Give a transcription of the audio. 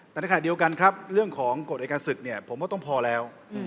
แต่ในขณะเดียวกันครับเรื่องของกฎอายการศึกเนี่ยผมว่าต้องพอแล้ว